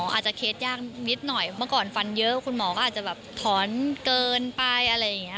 อาจจะเคสยากนิดหน่อยเมื่อก่อนฟันเยอะคุณหมอก็อาจจะแบบถอนเกินไปอะไรอย่างนี้